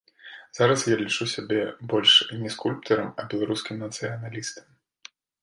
Зараз я лічу сябе больш не скульптарам, а беларускім нацыяналістам.